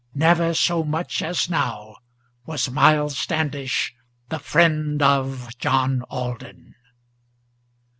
Never so much as now was Miles Standish the friend of John Alden."